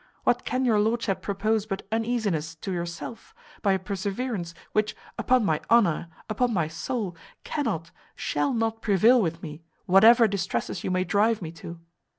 What can your lordship propose but uneasiness to yourself, by a perseverance, which, upon my honour, upon my soul, cannot, shall not prevail with me, whatever distresses you may drive me to."